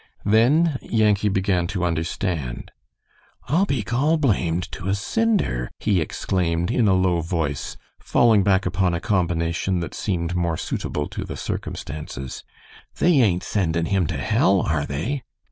Then Yankee began to understand. "I'll be gol blamed to a cinder!" he exclaimed, in a low voice, falling back upon a combination that seemed more suitable to the circumstances. "They ain't sendin' him to hell, are they?"